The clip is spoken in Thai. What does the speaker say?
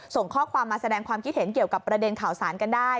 ส่งข้อความมาแสดงความคิดเห็นเกี่ยวกับประเด็นข่าวสารกันได้